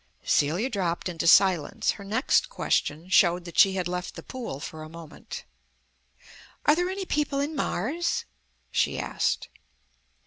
Celia dropped into silence. Her next question showed that she had left the pool for a moment. "Are there any people in Mars?" she asked.